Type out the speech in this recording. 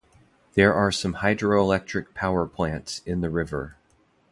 There are some hydroelectric power plants in the river.